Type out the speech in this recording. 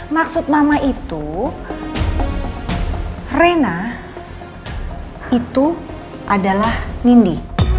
maksud mama itu rena itu adalah nindi